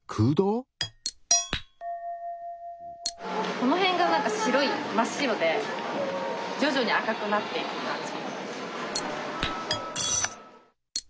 この辺が白い真っ白でじょじょに赤くなっていく感じ。